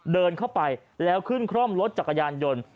เดินเข้าไปแล้วขึ้นคร่อมรถจักรยานยนต์